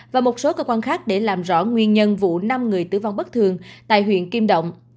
và một số cơ quan khác để làm rõ nguyên nhân vụ năm người tử vong bất thường tại huyện kim động